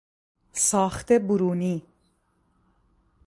ساخت برونی